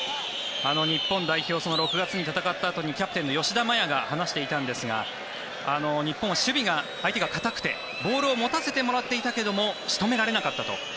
日本代表、６月に戦ったあとにキャプテンの吉田麻也が話していたんですが日本は、相手が守備が堅くてボールを持たせてもらっていたけども仕留められなかったと。